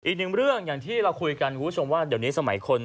อีกหนึ่งเรื่องอย่างที่เราคุยกันคุณผู้ชมว่าเดี๋ยวนี้สมัยคน